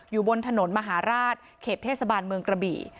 อยู่บนถนนมหาราชเขตเทศบาลเมืองกระบี่